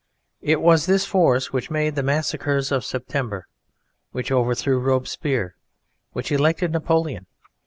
It was this force which made the massacres of September, which overthrew Robespierre, which elected Napoleon.